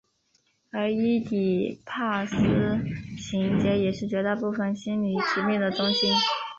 而伊底帕斯情结也是绝大部分心理疾病的中心。